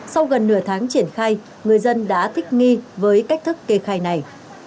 sau gần nửa tháng triển khai người dân đã thích nghi với cách thức kê khai này